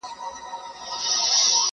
چي د سینې پر باغ دي راسي سېلاوونه!٫.